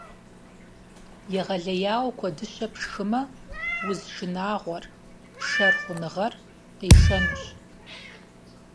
Егъэлеяуэ куэдыщэ пшхымэ, уз шынагъуэр — пшэр хъуныгъэр — къишэнущ.